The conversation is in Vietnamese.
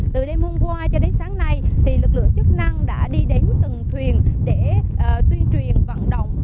từ đêm hôm qua cho đến sáng nay lực lượng chức năng đã đi đến từng thuyền để tuyên truyền vận động